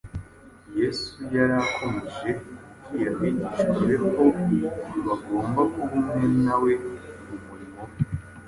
Yesu yari yarakomeje kubwira abigishwa be ko bagomba kuba umwe na we mu murimo we